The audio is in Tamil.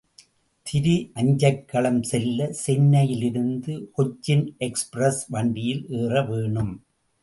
திரு அஞ்சைக்களம் செல்ல, சென்னையிலிருந்து கொச்சின் எக்ஸ்பிரஸ் வண்டியில் ஏறவேணும்.